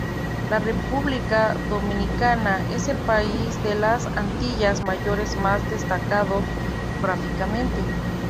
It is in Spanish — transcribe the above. La República Dominicana es el país de las Antillas Mayores más destacado geográficamente.